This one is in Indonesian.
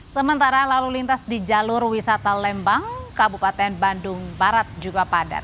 sementara lalu lintas di jalur wisata lembang kabupaten bandung barat juga padat